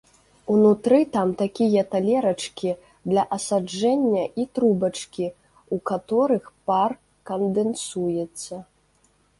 Унутры там такія талерачкі для асаджэння і трубачкі, у каторых пар кандэнсуецца.